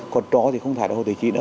còn cho thì không thải ra hồ thầy xỉ nữa